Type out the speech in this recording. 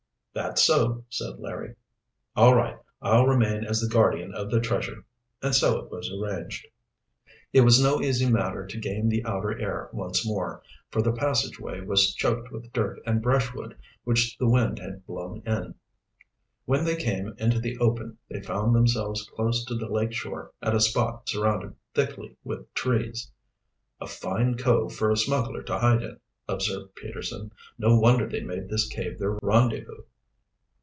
"That's so," said Larry. "All right; I'll remain as the guardian of the treasure." And so it was arranged. It was no easy matter to gain the outer air once more, for the passageway was choked with dirt and brushwood which the wind had blown in. When they came into the open they found themselves close to the lake shore at a spot surrounded thickly with trees. "A fine cove for a smuggler to hide in," observed Peterson. "No wonder they made this cave their rendezvous."